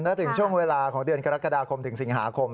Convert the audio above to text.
และถึงช่วงเวลาของเดือนกรกฎาคมถึงสิงหาคม